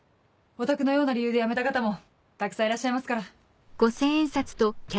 おたくのような理由でやめた方もたくさんいらっしゃいますから。